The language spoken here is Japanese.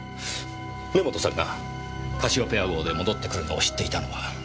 根元さんがカシオペア号で戻ってくるのを知っていたのは？